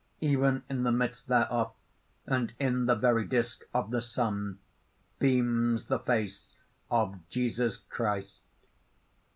_ _Even in the midst thereof, and in the very disk of the sun, beams the face of Jesus Christ.